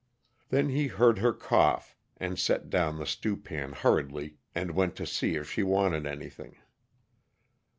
Then he heard her cough, and set down the stewpan hurriedly and went to see if she wanted anything.